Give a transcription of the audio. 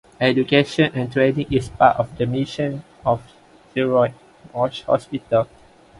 Education and training is part of the mission of Jeroen Bosch Hospital.